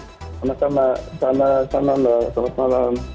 selamat malam mbak selamat malam